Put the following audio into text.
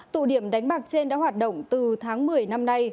tụ điểm đánh bạc trên đã hoạt động từ tháng một mươi năm nay